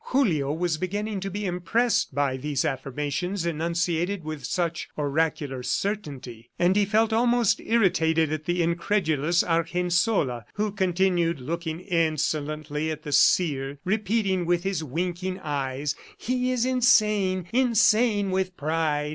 Julio was beginning to be impressed by these affirmations enunciated with such oracular certainty, and he felt almost irritated at the incredulous Argensola, who continued looking insolently at the seer, repeating with his winking eyes, "He is insane insane with pride."